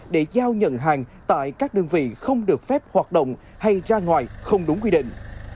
để giao nhận hàng tại các đơn vị không được phép hoạt động hay ra ngoài không đúng quy định